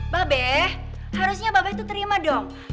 babe harusnya babe itu terima dong